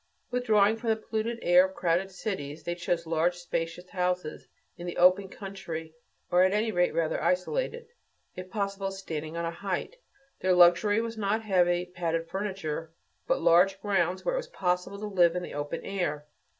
Withdrawing from the polluted air of crowded cities, they chose large, spacious houses in the open country or, at any rate, rather isolated if possible, standing on a height. Their luxury was not heavy, padded furniture but large grounds where it was possible to live in the open air.